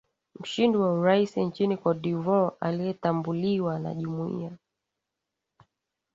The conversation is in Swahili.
mshindi wa urais nchini cote de voire anayetambuliwa na jumuia